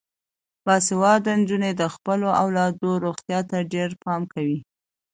باسواده نجونې د خپلو اولادونو روغتیا ته ډیر پام کوي.